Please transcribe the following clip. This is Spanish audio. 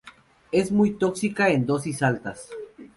Es muy tóxica en dosis altas.